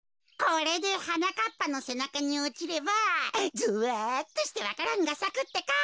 これではなかっぱのせなかにおちればゾワっとしてわか蘭がさくってか。